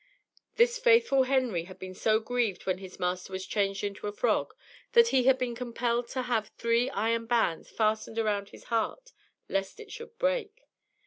This faithful Henry had been so grieved when his master was changed into a frog, that he had been compelled to have three iron bands fastened round his heart, lest it should break.